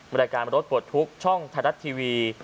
บริการบริการบททุกข์ช่องไทยรัฐทีวี